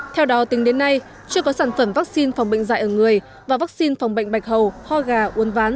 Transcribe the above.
theo đó tính đến nay chưa có sản phẩm vaccine phòng bệnh dạy ở người và vaccine phòng bệnh bạch hầu ho gà uốn ván